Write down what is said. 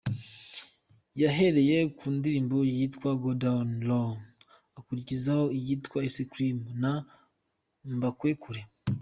Yahereye ku ndirimbo yitwa ’Go down Low’, akurikizaho iyitwa ’Ice Cream’ na ’Mbakwekure’.